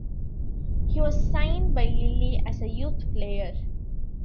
He was signed by Lille as a youth player.